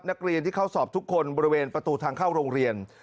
นักเรียนที่เข้าสอบทุกคนบริเวณประตูทางเข้าโรงเรียน